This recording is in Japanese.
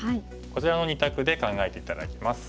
こちらの２択で考えて頂きます。